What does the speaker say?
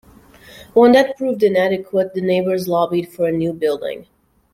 When that proved inadequate the neighbors lobbied for a new building.